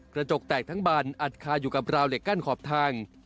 กระจกแตกทั้งบันอัดคาอยู่กับราวเหล็กกั้นขอบทาง